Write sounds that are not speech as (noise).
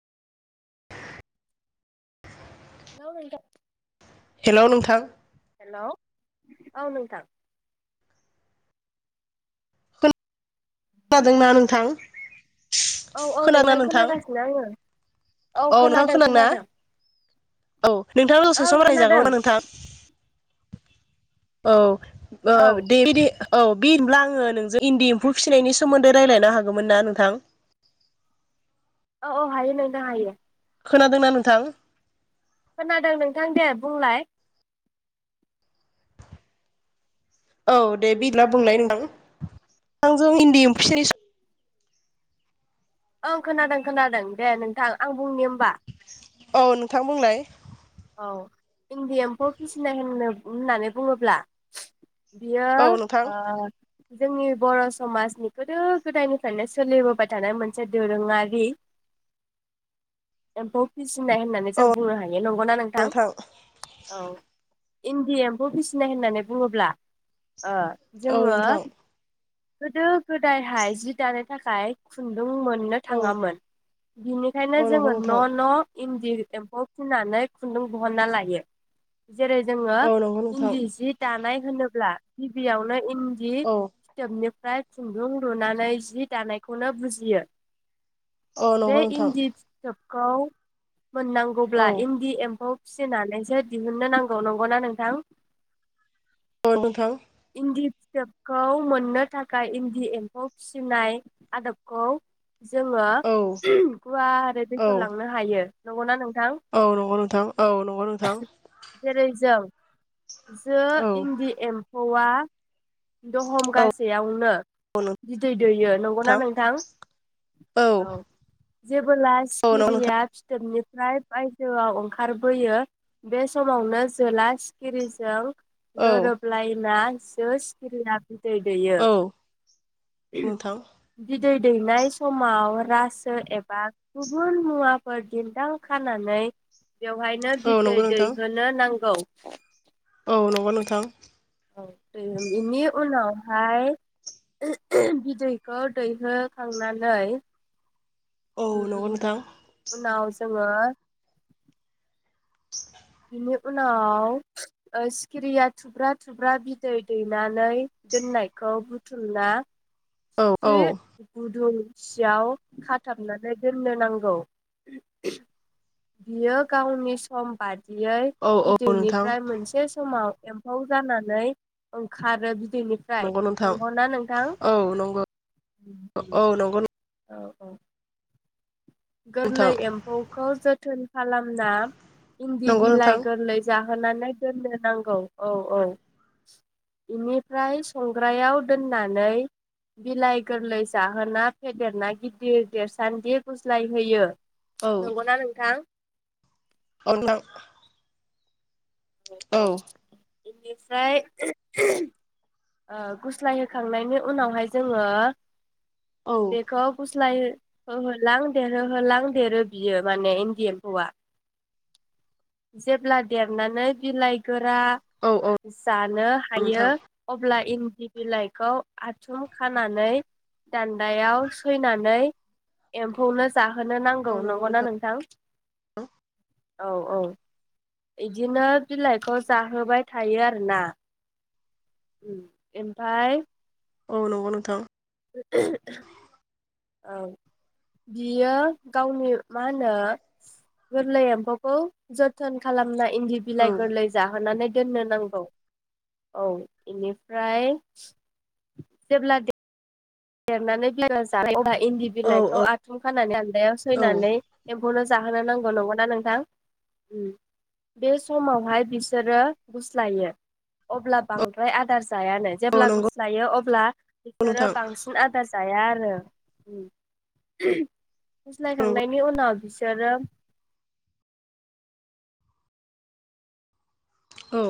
Hello नोंथां hello नोंथां hello औ नोंथां खोनादोंना नोंथां औ औ खोनां ना नोंथां खोनागासिनो आङो औ औ नोंथां खोनादों खोनांना खोनादों औ नोंथाङा दसे ओं सम रायजागौ खोनादों ना नोंथां? औ (unintelligible) औ बि होमब्ला आङो नोंजों इन्दि एम्फौ फिसिनायनि सोमोन्दै रायलायनो हागोमोन ना नोंथां। औ औ हायो नोंथां हायो। खोनादोंना नोंथां? खोनादों नोंथां दे बुंलाय औ दे बिला बुंलाय नोथां नोथांजों इन्दि एम्फौ फिसिनाय सो ओं खोनादों खोनादों दे नोंथां आं बुंनि होमबा औ नोंथां बुंलाय औ इन्दि एम्फौ फिसिनाय होननो होननानै बुङोब्ला बियो औ नोंथां ओ जोंनि बर' समाजनि गोदो गोदायनिफ्रायनो सोलिबोबाय थानाय मोनसे दोरोङारि एम्फौ फिसि नाय होननानै औ जों बुंनो हायो नंगौना नों थां नोंथां औ इन्दि एम्फौ फिसिनाय होननानै बुङोब्ला ओ औ जोङो नोंथां गोदो गोदायहाय जि दानो थाखाय खुन दुं मोननो औ थाङामोन बिनिखायनो औ नंगौ जोङो नोंथां न' न' इन्दि एम्फौ फिनानै खुन्दुं बहनना लायो जेरै जोङो औ नंगौ नोंथां इन्दि सि दानाय होनोब्ला गिबियावनो इन्दि औ फिथोबनिफ्राइ खुन्दुं लुनानै जि दानायखौनो बुजियो औ बे नंगौ नोंथां इन्दि फिथोब खौ औ मोननांगौब्ला इन्दि एम्फौ फिसिनानैसो दिहुननो नांगौ नंगौना नोंथां अ नोंथां इन्दि फिथोबखौ मोननो थाखाय इन्दि एम्फौ फिसिनाय आदबखौ जोङो औ गुवारै औ बेखेव लांनो हायो नंगौना नों औ नंगौ नों थां औ नंगौ नोंथां जेरै जों जो औ इन्दि एम औवा दहम औ गासेयावनो औ बिदै दैयो नंगौना नोंथां औ। बोलास औ नंगौ नोंथां गिरिया फिथोबनिफ्राय बायजोआव ओंखा रबोयो बे समावनो जोला सिखिरिजों औ गोरोबलाइना सो सिखिरिया बिदै दैयो औ नोंथां बिदै दैनाय समाव रासो एबा गुबुन मुवाफोर दिन्न्दां खानानै बेवहायनो औ बिदै नंगौ दै नोंथां होनो नांगौ। (unintelligible) औ नंगौ नोंथां औ दैयो इनि उनाव फाय बिदैखौ दैहो खांनानै औ नंगौ उम नोंथां उनाव जोङो बिनि उनाव ओ सिखिरिया थुब्रा थुब्रा बिदै दैना नै दोननायखौ बु थुमना औ औ इस्रि गुदुं सियाव खाथाबनानै दोननो नांगौ बियो गावनि सम बा दियै औ औ नोंथां बिदैनिफ्राय मोनसे समाव एम्फौ जानानै ओंखारो बि दैनिफ्राय नंगौ नोंथां नंगौना नोंथां? औ नंगौ औ नंगौ औ-औ गोरलै नोंथां एम्फौखौ जोथोन खालामना इन्दि नंगौ बिलाइ नोंथां गोरलै जां बोननानै दोननो नांगौ औ-औ इनिफ्राय संग्रायाव दोननानै बिलाइ गोरलै जाहोना फेेदेरना गिदिर देरसानदि गु स्लायहोयो औ नंगौना नोंथां? (unintelligible) औ औ-औ बेनिफ्राय ओ गुस्लाय होखांनायनि उनावहाय जोङो औ बेखौ गु स्लाय हो होलां देरहो होलां देरो बियो माने इन्दि एम्फौआ जेब्ला देरनानै बिलाइ फोरा औ औ जानो हायो नोंथां अब्ला इन्दि बिलाइखौ आथुम खानानै दान्दायाव सैनानै एम्फौनो जाहोनो नांगौ औ नंगौ नंगौना नोंथां औ-औ इदिनो बिलाइखौ जाहोबाय थायो आरोना ओम ओमफ्राय औ नंगौ नोंथां (inaudible) औ बियो गावनि मा होनो गोरलै एम्फौखौ जोथोन खालामनाय इन्दि औ बिलाइ गोरलै जाहोनानै दोननो नांगौ औ इनिफ्राय जेब्ला देरनानै बिलाइ जायो अब्ला इन्दि औ बिलाइखौ आथुम खानानै दान्दायाव औ सैनानै बेखौनो जाहोनो नांगौ नंगौना नोंथां बे समावहाय बिसोरो गुस्लायो अब्ला बांद्राय आदार जायानो औ जेब्ला नंगौ गुस्लायो अब्ला बिसोरो नोंथां बांसिन जाया आरो उम (unintelligible) नंगौ गुस्लायखांनायनि उनाव बिस सोरो औ